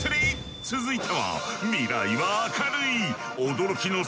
続いては。